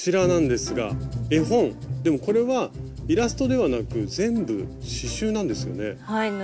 でもこれはイラストではなく全部刺しゅうなんですよね。